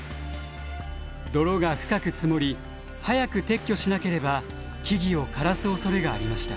泥が深く積もり早く撤去しなければ木々を枯らすおそれがありました。